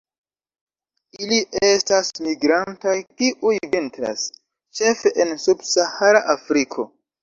Ili estas migrantaj, kiuj vintras ĉefe en subsahara Afriko.